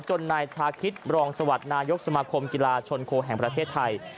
นายชาคิดรองสวัสดิ์นายกสมาคมกีฬาชนโคแห่งประเทศไทย